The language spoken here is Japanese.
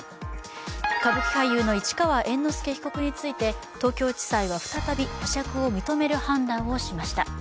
歌舞伎俳優の市川猿之助被告について東京地裁は再び保釈を認める判断をしました。